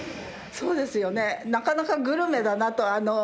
そうですよねなかなかグルメだなと。